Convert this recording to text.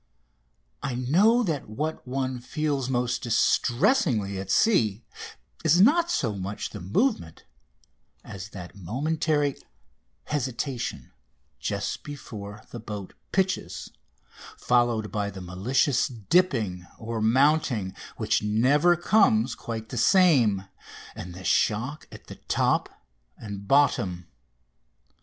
I know that what one feels most distressingly at sea is not so much the movement as that momentary hesitation just before the boat pitches, followed by the malicious dipping or mounting, which never comes quite the same, and the shock at top and bottom.